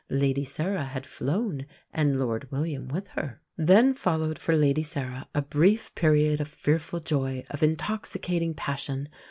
Lady Sarah had flown, and Lord William with her. Then followed for Lady Sarah a brief period of fearful joy, of intoxicating passion.